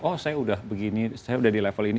oh saya udah begini saya udah di level ini